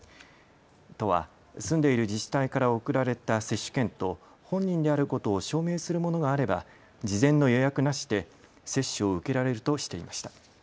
都は住んでいる自治体から送られた接種券と本人であることを証明するものがあれば事前の予約なしで接種を受けられるとしていました。